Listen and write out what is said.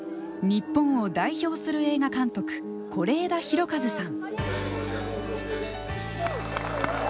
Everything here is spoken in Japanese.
日本を代表する映画監督是枝裕和さん。